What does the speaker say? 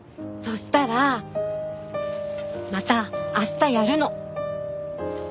そしたらまた明日やるの。